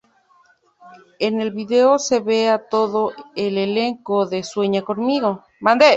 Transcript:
En el video se ve a todo el elenco de Sueña conmigo.